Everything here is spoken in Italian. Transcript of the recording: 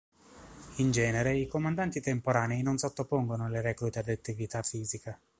In genere, i comandanti temporanei non sottopongono le reclute ad attività fisica.